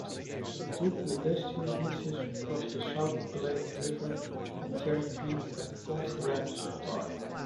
Two pedestrian bridges cross the South Platte River and Cherry Creek at Confluence Park.